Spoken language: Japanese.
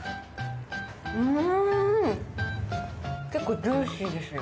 結構ジューシーですよ。